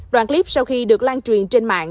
đoạn clip sau khi được lan truyền trên mạng